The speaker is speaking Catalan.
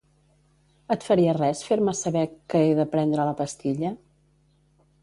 Et faria res fer-me saber que he de prendre la pastilla?